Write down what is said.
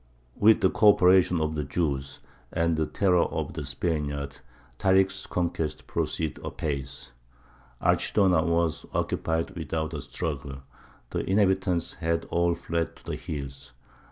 With the coöperation of the Jews, and the terror of the Spaniards, Tārik's conquest proceeded apace. Archidona was occupied without a struggle: the inhabitants had all fled to the hills.